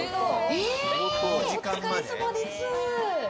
お疲れさまです。